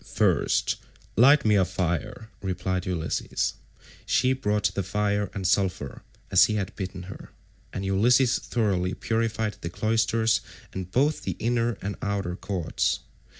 "First light me a fire," replied Ulysses. She brought the fire and sulphur, as he had bidden her, and Ulysses thoroughly purified the cloisters and both the inner and outer courts.